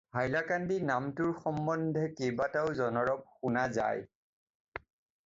হাইলাকান্দি নামটোৰ সমন্ধে কেইবাটাও জনৰব শুনা যায়।